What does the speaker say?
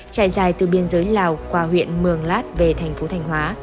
chạy dài từ biên giới lào qua huyện mường lát về thành phố thành hóa